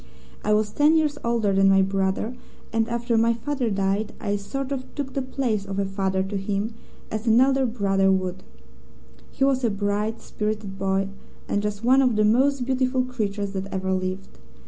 I was ten years older than my brother, and after my father died I sort of took the place of a father to him, as an elder brother would. He was a bright, spirited boy, and just one of the most beautiful creatures that ever lived.